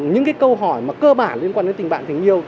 những cái câu hỏi mà cơ bản liên quan đến tình bạn tình yêu